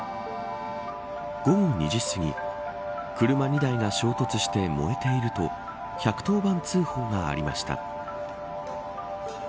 午後２時すぎ車２台が衝突して、燃えていると１１０番通報がありました。